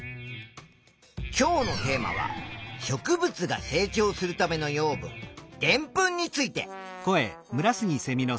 今日のテーマは植物が成長するための養分でんぷんについて。